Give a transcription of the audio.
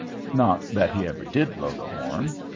Not that he ever did blow the horn.